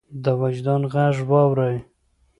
د وجدان غږ واورئ.